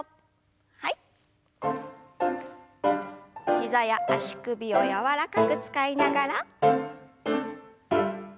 膝や足首を柔らかく使いながら。